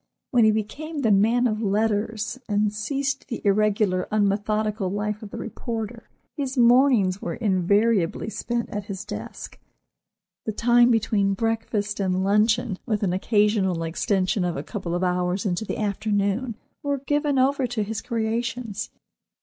When he became the man of letters, and ceased the irregular, unmethodical life of the reporter, his mornings were invariably spent at his desk. The time between breakfast and luncheon, with an occasional extension of a couple of hours into the afternoon, were given over to his creations.